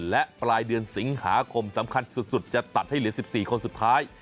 และปลายเดือนสิงหาคมสำคัญสุดจะตัดให้เหลือ๑๔คนสุดท้าย